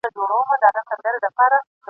نه به ږغ د محتسب وي نه دُره نه به جنون وي ..